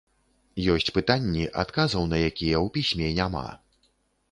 Ёсць пытанні, адказаў на якія ў пісьме няма.